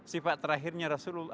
sifat terakhirnya rasulullah